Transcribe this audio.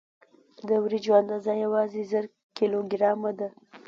د وریجو اندازه یوازې زر کیلو ګرامه ده.